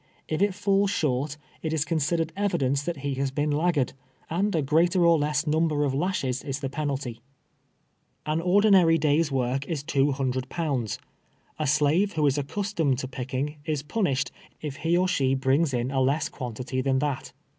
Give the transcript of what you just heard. If it falls short, it is considered evidence that he has been laggard, and a greater or less number of lashes is the penalty. 1(56 TAVELVE TEARS A SLAVE. An ortl'inary day's work is two hundred ponnds. A sliiA'c Avho is acciistoined to picking, is punished, if lie or she hriiigs in a k^ss quantity than that.